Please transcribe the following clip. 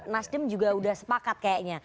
nasdim juga udah sepakat kayaknya